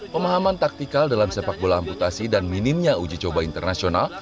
pemahaman taktikal dalam sepak bola amputasi dan minimnya uji coba internasional